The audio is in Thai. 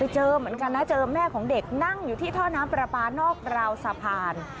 เจอเหมือนกันนะเจอแม่ของเด็กนั่งอยู่ที่ท่อน้ำปลาปลานอกราวสะพาน